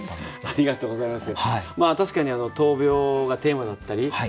ありがとうございます。